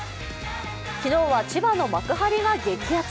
昨日は千葉の幕張が激熱。